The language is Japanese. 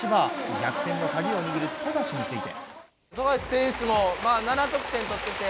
逆転の鍵を握る富樫について。